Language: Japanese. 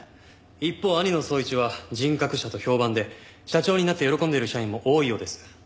一方兄の宗一は人格者と評判で社長になって喜んでいる社員も多いようです。